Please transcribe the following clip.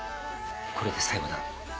これで最後だ。